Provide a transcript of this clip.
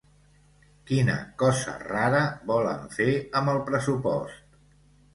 Quina cosa rara volen fer amb el pressupost?